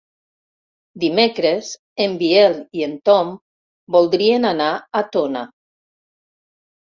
Dimecres en Biel i en Tom voldrien anar a Tona.